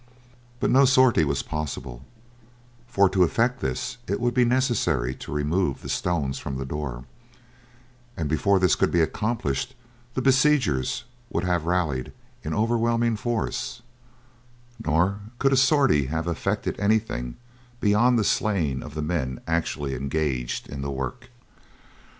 But no sortie was possible, for to effect this it would be necessary to remove the stones from the door, and before this could be accomplished the besiegers would have rallied in overwhelming force, nor could a sortie have effected anything beyond the slaying of the men actually engaged in the work.